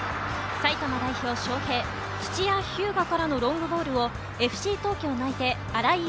埼玉代表、昌平、土谷飛雅からのロングボールをＡＣ東京内定、荒井悠